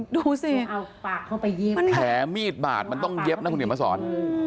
ดูสิแผลมีดบาดมันต้องเย็บนะคุณเดี๋ยวมาสอน